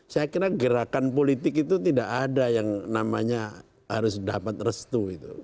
saya kira gerakan politik itu tidak ada yang namanya harus dapat restu itu